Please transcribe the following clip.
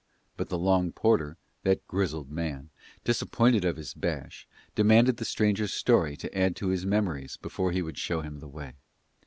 But the long porter, that grizzled man, disappointed of his bash, demanded the stranger's story to add to his memories before he would show him the way.